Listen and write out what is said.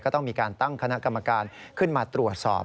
ต้องมีการตั้งคณะกรรมการขึ้นมาตรวจสอบ